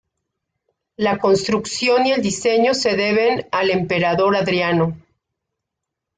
La construcción y el diseño se deben al emperador Adriano.